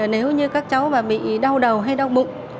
nếu như các cháu mà bị đau đầu hay đau bụng